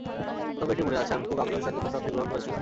তবে এটি মনে আছে, আমি খুব আগ্রহের সঙ্গে প্রস্তাবটি গ্রহণ করেছিলাম।